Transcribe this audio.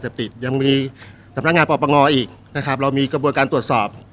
ติดยังมีสำนักงานปปงอีกนะครับเรามีกระบวนการตรวจสอบ